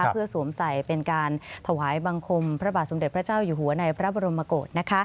เพื่อสวมใส่เป็นการถวายบังคมพระบาทสมเด็จพระเจ้าอยู่หัวในพระบรมกฏ